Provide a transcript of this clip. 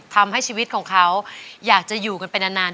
ทำให้ชีวิตของเขาอยากจะอยู่กันไปนาน